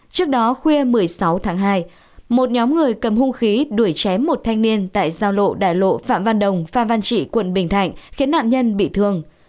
trước đó khuya một mươi sáu tháng hai một nhóm người cầm hung khí đuổi chém một thanh niên tại giao lộ đại lộ phạm văn đồng phan văn trị quận bình thạnh khiến nạn nhân bị thương